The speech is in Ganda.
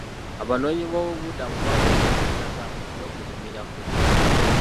Abanooonyiboobubudamu bawereddwa ettaka ly'okulimirako.